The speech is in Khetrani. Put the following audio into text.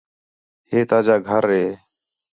ہے تاجا گھر ہے؟